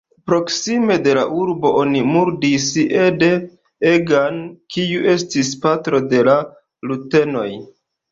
Proksime de la urbo oni murdis Ede Egan, kiu estis patro de la rutenoj.